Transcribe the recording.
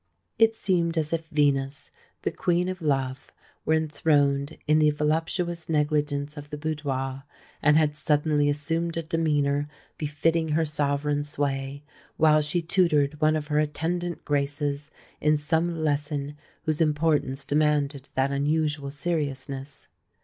It seemed as if Venus, the Queen of Love, were enthroned in the voluptuous negligence of the boudoir, and had suddenly assumed a demeanour befitting her sovereign sway, while she tutored one of her attendant Graces in some lesson whose importance demanded that unusual seriousness.